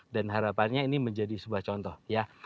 dan harapannya ini menjadi sebuah contoh ya